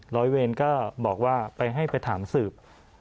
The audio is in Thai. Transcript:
ร้อยเวรก็บอกว่าไปให้ไปถามสืบ